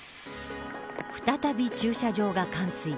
再び駐車場が冠水。